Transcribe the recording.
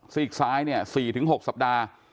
ซีกซ้ายเนี่ย๔๖สัปดาห์